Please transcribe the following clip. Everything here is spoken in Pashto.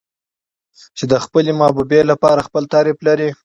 چې د خپلې محبوبې لپاره خپل تعريف لري.